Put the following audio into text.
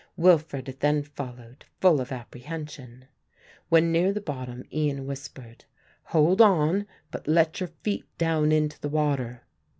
Wilfred then followed, full of apprehension. When near the bottom Ian whispered, "Hold on, but let your feet down into the water."